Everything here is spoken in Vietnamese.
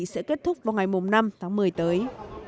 sẽ kết thúc vào ngày năm tháng một mươi tới